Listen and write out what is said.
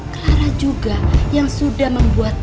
clara juga yang sudah membuat